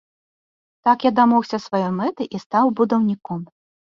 Так я дамогся сваёй мэты і стаў будаўніком.